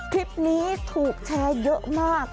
คลิปนี้ถูกแชร์เยอะมาก